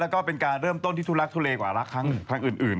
แล้วก็เป็นการเริ่มต้นที่ทุลักทุเลกว่ารักครั้งอื่น